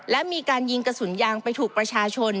และมีการยิงกระสุนยางไปถูกประชาชน